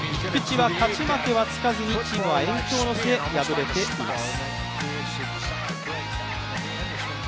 勝ち負けはつかずにチームは延長の末、敗れています。